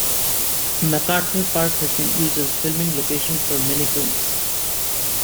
MacArthur Park has been used as a filming location for many films.